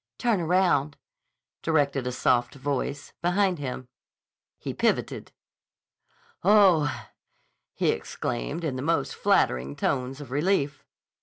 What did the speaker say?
"Turn around," directed a soft voice behind him. He pivoted. "Oh!" he exclaimed in the most flattering tones of relief.